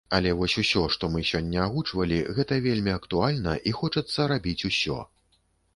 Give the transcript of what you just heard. Але вось усё, што мы сёння агучвалі, гэта вельмі актуальна і хочацца рабіць усё!